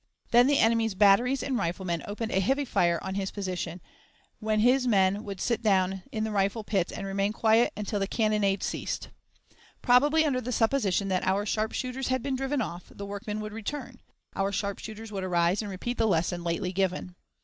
Then the enemy's batteries and riflemen opened a heavy fire on his position, when his men would sit down in the rifle pits and remain quiet until the cannonade ceased. Probably under the supposition that our sharpshooters had been driven off, the workmen would return; our sharpshooters would arise and repeat the lesson lately given.